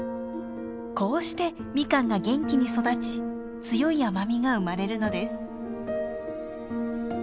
こうしてミカンが元気に育ち強い甘みが生まれるのです。